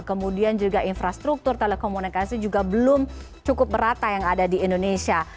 kemudian juga infrastruktur telekomunikasi juga belum cukup merata yang ada di indonesia